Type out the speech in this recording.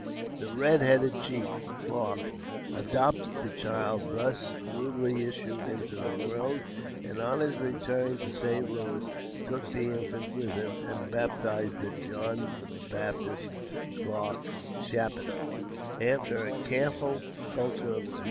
The Red headed Chief (Clarke) adopted the child thus rudely issued into the world, and on his return to St. Louis took the infant with him, and baptized it John Baptist Clarke Chapineau. After a careful culture of his.